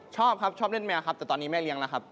ชอบครับชอบเล่นแมวครับแต่ตอนนี้แม่เลี้ยงนะครับ